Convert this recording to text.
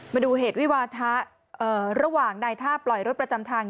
มาดูเหตุวิวาทะระหว่างนายท่าปล่อยรถประจำทาง